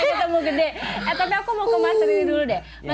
anak ketemu gede tapi aku mau ke mas rini dulu deh